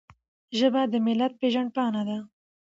ژبه د ملت پیژند پاڼه ده.